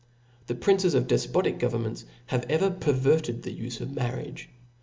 1 be princes of defpotic governments have ever perverted the ufe of marriage.